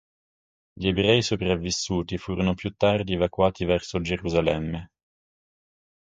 Gli ebrei sopravvissuti furono più tardi evacuati verso Gerusalemme.